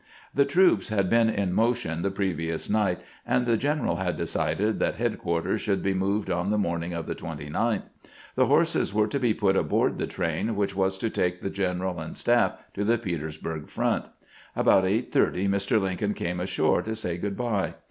The troops had been in motion the previous night, and the general had decided that headquarters should be moved on the morning of the 29th. The horses were to be put aboard the train which was to take the general and staff to the Petersburg front. About 8 : 30 Mr. Lin coln came ashore to say good by.